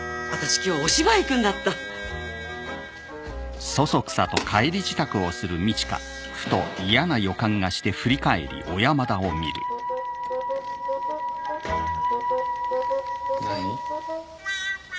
今日お芝居行くんだったなに？